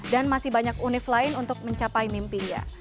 dan masih banyak unif lain untuk mencapai mimpinya